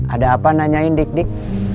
ada apa nanyain dik dik